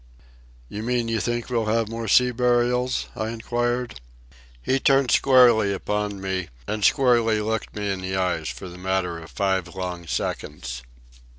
"You mean you think we'll have more sea burials?" I inquired. He turned squarely upon me, and squarely looked me in the eyes for the matter of five long seconds.